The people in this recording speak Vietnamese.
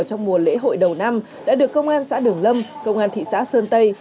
trong mùa lễ hội đầu năm đã được công an xã đường lâm công an thị xã sơn tây